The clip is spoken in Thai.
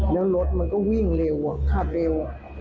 แล้วรถมันก็วิ่งเร็วคาดเร็ว